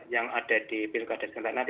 yang ada di pilkada daerah daerah